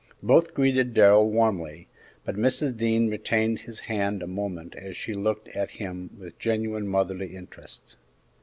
Both greeted Darrell warmly, but Mrs. Dean retained his hand a moment as she looked at him with genuine motherly interest.